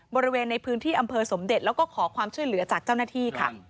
บริเวณในพื้นที่อำเภอสมเด็จแล้วก็ขอความช่วยเหลือจากเจ้าหน้าที่ค่ะ